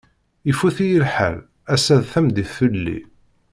Ifut-iyi lḥal, assa d tameddit fell-i.